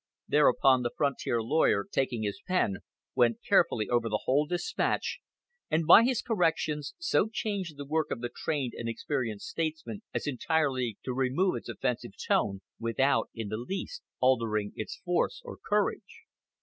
Thereupon the frontier lawyer, taking his pen, went carefully over the whole dispatch, and by his corrections so changed the work of the trained and experienced statesman as entirely to remove its offensive tone, without in the least altering its force or courage.